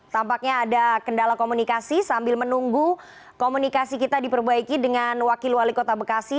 tampaknya ada kendala komunikasi sambil menunggu komunikasi kita diperbaiki dengan wakil wali kota bekasi